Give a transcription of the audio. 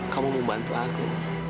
kamu mau bantu aku